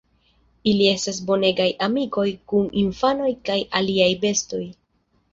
Ili estas bonegaj amikoj kun infanoj kaj aliaj bestoj.